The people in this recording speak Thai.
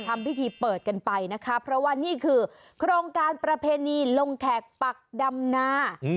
ทำพิธีเปิดกันไปนะคะเพราะว่านี่คือโครงการประเพณีลงแขกปักดำนา